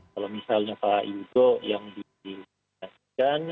kalau misalnya pak widodo yang di